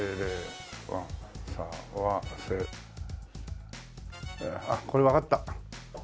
さわせあっこれわかった。